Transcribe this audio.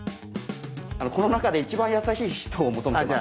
この中で一番優しい人を求めてます。